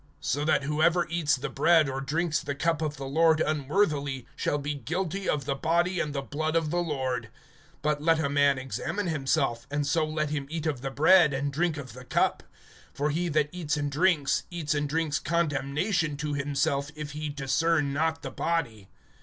(27)So that whoever eats the bread or drinks the cup of the Lord unworthily, shall be guilty of the body and the blood of the Lord. (28)But let a man examine himself, and so let him eat of the bread, and drink of the cup. (29)For he that eats and drinks, eats and drinks condemnation to himself, if he discern not the body.